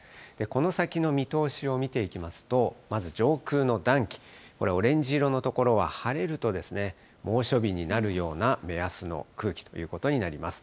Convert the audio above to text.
この先の見通しを見ていきますと、まず上空の暖気、オレンジ色の所は晴れると、猛暑日になるような目安の空気ということになります。